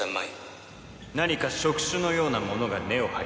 何か触手のようなものが根を張り守っている。